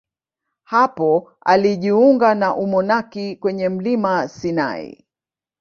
Hapo alijiunga na umonaki kwenye mlima Sinai.